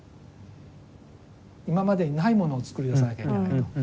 今までにないものを創り出さなきゃいけないと。